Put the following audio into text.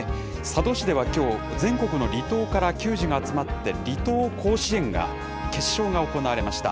佐渡市ではきょう、全国の離島から球児が集まって、離島甲子園が、決勝が行われました。